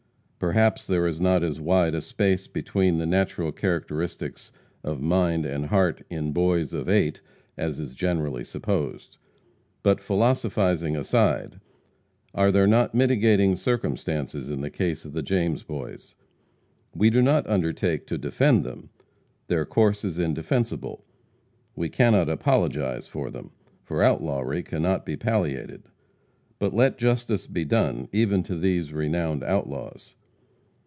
Perhaps there is not as wide a space between the natural characteristics of mind and heart in boys of eight as is generally supposed. But philosophizing aside. Are there not mitigating circumstances in the case of the James boys? We do not undertake to defend them their course is indefensible; we cannot apologize for them; for outlawry cannot be palliated. But let justice be done even to these renowned outlaws.